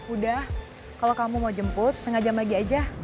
udah kalo kamu mau jemput sengaja pagi aja